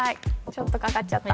ちょっとかかっちゃった。